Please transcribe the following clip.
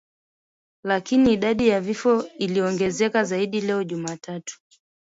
Lakini idadi ya vifo iliongezeka zaidi leo Jumatatu